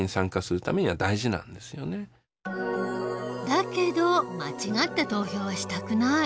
だけど間違った投票はしたくない。